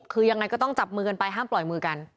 คือยังไงก็ต้องจับมือกันไปห้ามปล่อยมือกัน